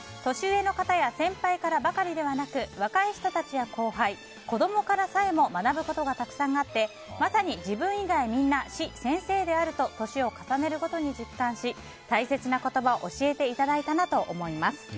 年上の方や先輩ばかりではなく若い人たちや後輩子供からさえも学ぶことがたくさんあってまさに自分以外みんな師、先生であると年を重ねるごとに実感し大切な言葉を教えていただいたなと思います。